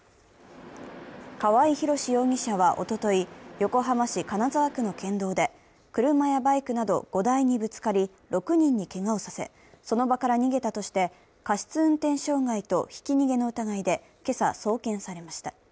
川合広司容疑者はおととい、横浜市金沢区の県道で車やバイクなど５台にぶつかり６人にけがをさせ、その場から逃げたとして過失運転傷害とひき逃げの疑いで今朝、送検されました。